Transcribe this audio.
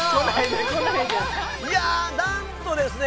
なんとですね